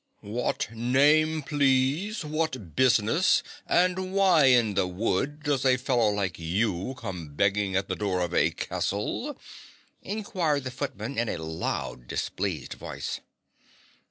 "What name, please, what business, and why in the wood does a fellow like you come begging at the door of a castle?" inquired the footman in a loud displeased voice.